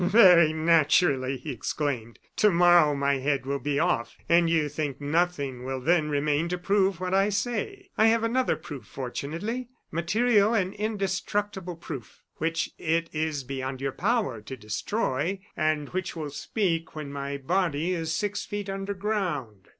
"Very naturally," he exclaimed. "To morrow my head will be off, and you think nothing will then remain to prove what I say. I have another proof, fortunately material and indestructible proof which it is beyond your power to destroy, and which will speak when my body is six feet under ground."